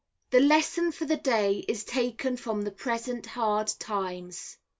The Lesson for the Day is taken from the present hard times.